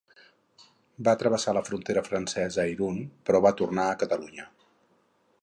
Va travessar la frontera francesa a Irun però va tornar a Catalunya.